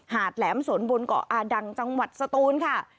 แหลมสนบนเกาะอาดังจังหวัดสตูนค่ะ